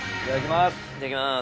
いただきます。